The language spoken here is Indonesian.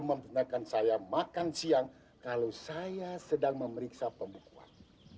menggunakan saya makan siang kalau saya sedang memeriksa pembukuan